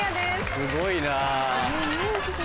すごいな。